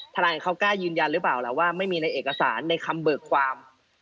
ทนายเขากล้ายืนยันหรือเปล่าล่ะว่าไม่มีในเอกสารในคำเบิกความ